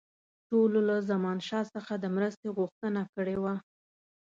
ټولو له زمانشاه څخه د مرستې غوښتنه کړې وه.